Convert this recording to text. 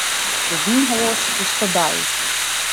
De wynhoas is foarby.